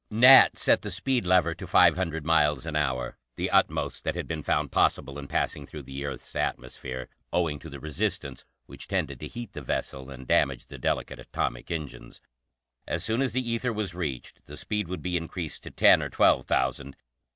Nat set the speed lever to five hundred miles an hour, the utmost that had been found possible in passing through the earth's atmosphere, owing to the resistance, which tended to heat the vessel and damage the delicate atomic engines. As soon as the ether was reached, the speed would be increased to ten or twelve thousand.